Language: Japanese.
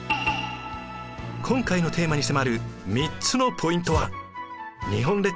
今回のテーマに迫る３つのポイントは。